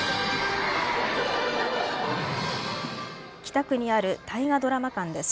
北区にある大河ドラマ館です。